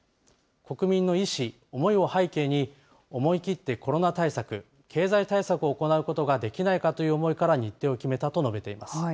国民の意思、思いを背景に、思い切ってコロナ対策、経済対策を行うことができないかという思いから、日程を決めたと述べています。